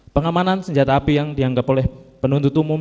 pengamanan senjata api yang dianggap oleh penuntut umum